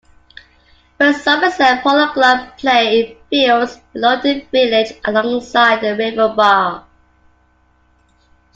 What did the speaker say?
West Somerset Polo Club play in fields below the village alongside the River Barle.